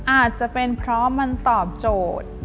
อาจจะเป็นเพราะมันตอบโจทย์